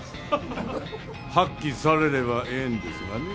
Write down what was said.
発揮されればええんですがね。